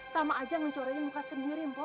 sama aja mencorengin muka sendiri mpo